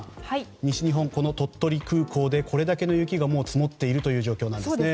西日本、この鳥取空港でこれだけの雪が積もっているという状況ですね。